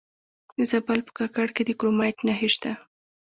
د زابل په کاکړ کې د کرومایټ نښې شته.